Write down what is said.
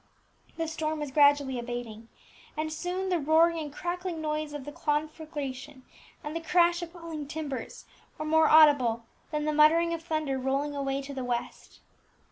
The storm was gradually abating, and soon the roaring and crackling noise of the conflagration and the crash of falling timbers were more audible than the muttering of thunder rolling away to the west.